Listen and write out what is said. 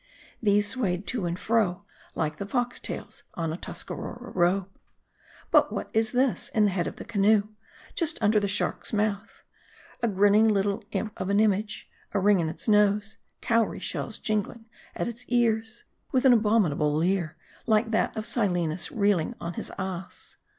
These swayed to and fro, like the fox tails on a Tuscarora robe. But what is this, in the head of the canoe, just under the M A R D I. 235 shark's mouth ? A grinning little imp of an image ; a ring in its nose ; cowrie shells jingling at its ears ; with an abom inable leer, like that of Silenus reeling on his ass.